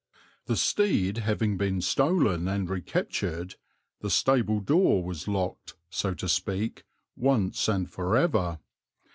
The steed having been stolen and recaptured, the stable door was locked, so to speak, once and for ever.